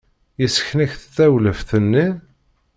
Yessken-ak-d tawlaft-nni?